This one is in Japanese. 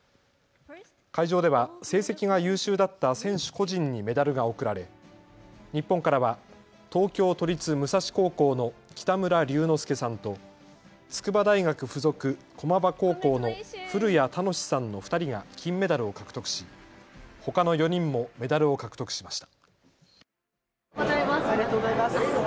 会場では成績が優秀だった選手個人にメダルが送られ日本からは東京都立武蔵高校の北村隆之介さんと筑波大学附属駒場高校の古屋楽さんの２人が金メダルを獲得しほかの４人もメダルを獲得しました。